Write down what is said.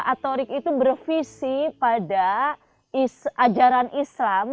atorik itu bervisi pada ajaran islam